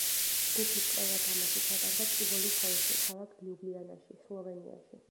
ჯგუფის ყველა თამაში ჩატარდა ტივოლი ჰოლში ქალაქ ლიუბლიანაში, სლოვენიაში.